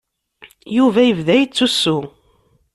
Yuba yebda yettusu.